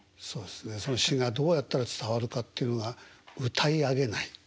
その詞がどうやったら伝わるかっていうのが歌い上げない。